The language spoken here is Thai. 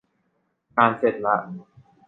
งานเสร็จละ